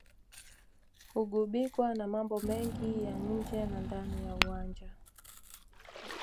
hugubikwa na mambo mengi ya nje na ndani ya uwanja